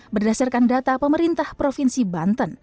berdasarkan data pemerintah provinsi banten